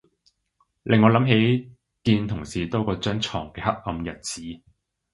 令我諗起見同事多過張牀嘅黑暗日子